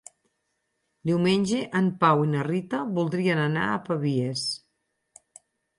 Diumenge en Pau i na Rita voldrien anar a Pavies.